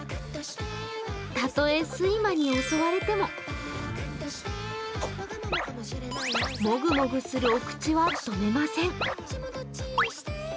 たとえ睡魔に襲われてももぐもぐするお口は止めません。